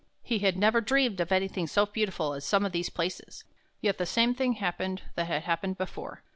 He had never dreamed of anything so beautiful as some of these places, yet the same thing happened that had happened before.